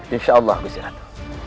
insya allah gusi ratu